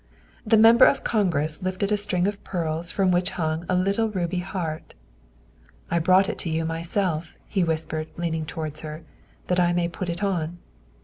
The Member of Congress lifted a string of pearls from which hung a little ruby heart. " I brought it to you myself," he whispered, leaning towards her, '' that I might put it on.